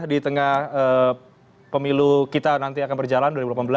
di tengah pemilu kita nanti akan berjalan dua ribu delapan belas